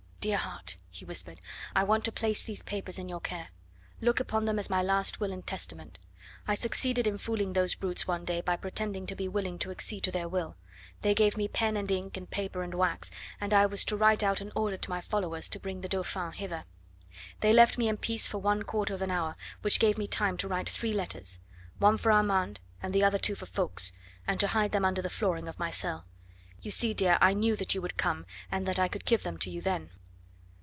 "Dear heart," he whispered, "I want to place these papers in your care. Look upon them as my last will and testament. I succeeded in fooling those brutes one day by pretending to be willing to accede to their will. They gave me pen and ink and paper and wax, and I was to write out an order to my followers to bring the Dauphin hither. They left me in peace for one quarter of an hour, which gave me time to write three letters one for Armand and the other two for Ffoulkes, and to hide them under the flooring of my cell. You see, dear, I knew that you would come and that I could give them to you then."